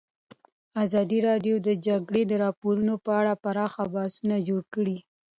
ازادي راډیو د د جګړې راپورونه په اړه پراخ بحثونه جوړ کړي.